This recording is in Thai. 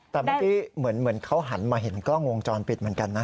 แต่เมื่อกี้เหมือนเขาหันมาเห็นกล้องวงจรปิดเหมือนกันนะ